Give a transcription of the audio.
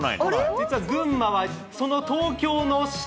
実は群馬は、その東京の下！